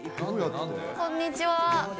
こんにちは。